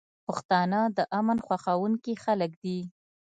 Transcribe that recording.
پښتانه د امن خوښونکي خلک دي.